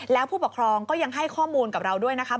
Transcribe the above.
แล้วผู้ปกครองก็ยังให้ข้อมูลกับเราด้วยนะคะ